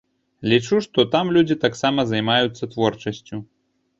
Лічу, што там людзі таксама займаюцца творчасцю.